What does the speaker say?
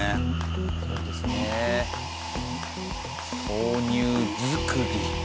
豆乳作り。